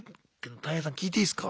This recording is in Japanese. タイヘイさん聞いていいすか？